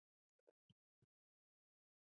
罗尼永河畔朗科。